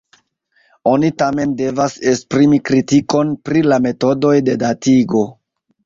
Oni, tamen, devas esprimi kritikon pri la metodoj de datigo.